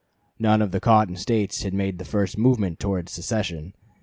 "None of the Cotton States had made the first movement towards secession.